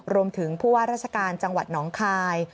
รวมถึงผู้ว่าราชการจังหวัดน้องคาย